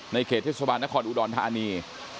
เขตเทศบาลนครอุดรธานี